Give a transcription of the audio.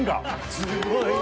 すごい！